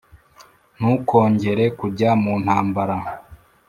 ntukongere kujya muntambara